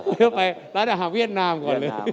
เพื่อไปร้านอาหารเวียดนามก่อนเลย